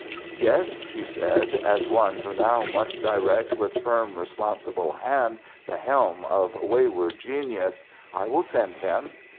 "Yes," she said as one who now must direct with firm responsible hand the helm of wayward genius, "I will send him."